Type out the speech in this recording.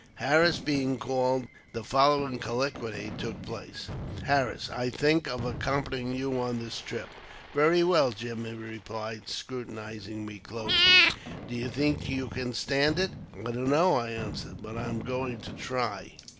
Harris being called, the following colloquy took place : "Harris, I think of accompanying you on this trip." " Very well, Jim," he replied, scrutinizing me closely, " do you think you can stand it ?"" I don't know," I answered, " but I am going to try.